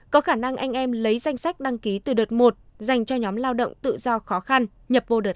có khả năng anh em lấy danh sách đăng ký từ đợt một dành cho nhóm lao động tự do khó khăn nhập vô đời